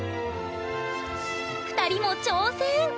２人も挑戦！